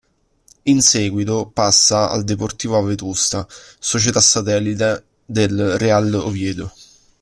In seguito passa al Deportiva Vetusta, società satellite del Real Oviedo.